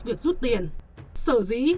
việc rút tiền sở dĩ